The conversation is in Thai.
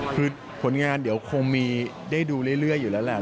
คือผลงานเดี๋ยวคงมีได้ดูเรื่อยอยู่แล้วแหละ